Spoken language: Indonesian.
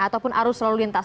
ataupun arus lalu lintas